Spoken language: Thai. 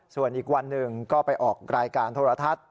ส่วนอีกวันหนึ่งก็ไปออกรายการโทรทัศน์